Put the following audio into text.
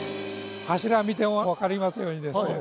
柱見ても分かりますようにですね